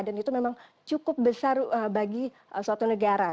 itu memang cukup besar bagi suatu negara